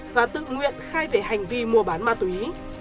và tự nguyện khai về hành vi mua bán ma túy